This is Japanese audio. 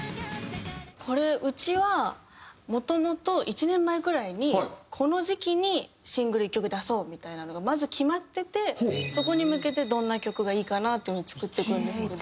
これうちはもともと１年前くらいにこの時期にシングル１曲出そうみたいなのがまず決まっててそこに向けてどんな曲がいいかなっていう風に作っていくんですけど。